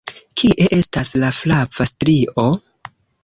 Kie estas la flava strio?